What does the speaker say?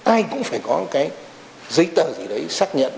ai cũng phải có cái giấy tờ gì đấy xác nhận